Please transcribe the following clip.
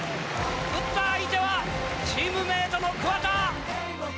打った相手はチームメートの桑田。